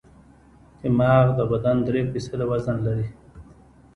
دماغ د بدن درې فیصده وزن لري.